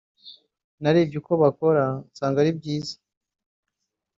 Ati “Narebye uko bakora nsanga ari byiza